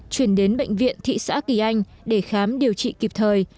chuyển đến bệnh viện thị xã kỳ anh để khám điều trị kịp thời